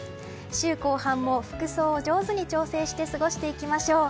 週後半も服装を上手に調節して過ごしていきましょう。